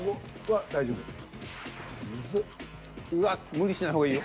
無理しない方がいいよ。